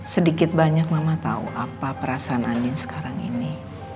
sedikit banyak mama tau apa perasaan andien sekarang ini